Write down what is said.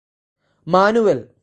manual